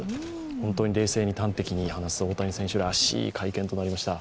本当に冷静に端的に話す大谷選手らしい会見となりました。